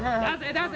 出せ！